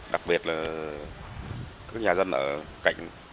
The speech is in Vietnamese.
đặc biệt là các nhà dân ở cạnh